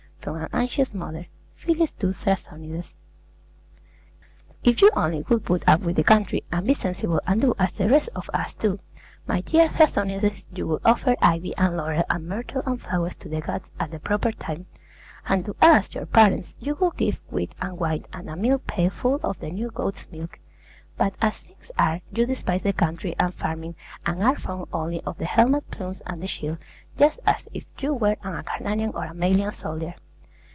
FROM AN ANXIOUS MOTHER PHYLLIS TO THRASONIDES If you only would put up with the country and be sensible, and do as the rest of us do, my dear Thrasonides, you would offer ivy and laurel and myrtle and flowers to the gods at the proper time; and to us, your parents, you would give wheat and wine and a milk pail full of the new goat's milk. But as things are, you despise the country and farming, and are fond only of the helmet plumes and the shield, just as if you were an Acarnanian or a Malian soldier.